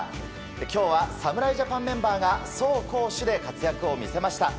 今日は侍ジャパンメンバーが走攻守で活躍を見せました。